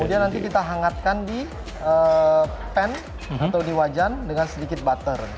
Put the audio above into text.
kemudian nanti kita hangatkan di pan atau di wajan dengan sedikit butter